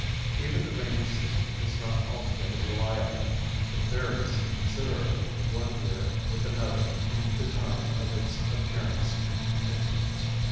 Even the rainy season is not altogether reliable, but varies considerably one year with another in the time of its appearance and continuance.